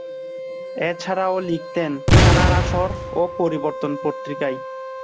এছাড়া ও লিখতেন 'খেলার আসর' ও 'পরিবর্তন' পত্রিকায়।